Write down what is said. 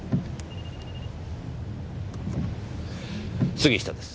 杉下です。